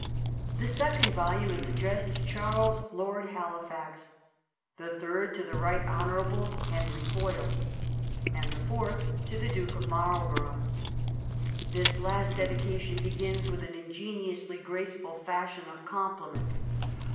* The second volume is addressed to ' Charles, Lord Halifax,' the third to the ' Eight Hon. Henry Boyle,' and the fourth to the ' Duke of Marlborough.' This last dedication begins with an ingeniously graceful fashion of compliment.